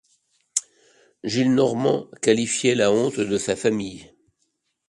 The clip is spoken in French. Gillenormand qualifiait la honte de sa famille.